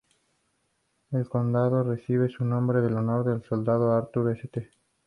El condado recibe su nombre en honor al soldado Arthur St.